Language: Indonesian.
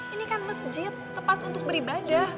ini kan masjid tepat untuk beribadah